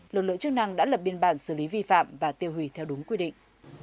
lực lượng chức năng đã lập biên bản xử lý vi phạm và tiêu hủy theo đúng quy định